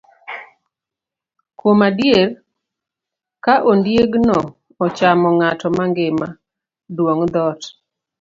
Kuom adier, ka ondiegno ochamo ng'ato mangima, dwong' dhoot.